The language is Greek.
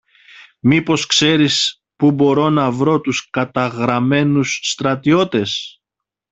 μήπως ξέρεις πού μπορώ να βρω τους καταγραμμένους στρατιώτες;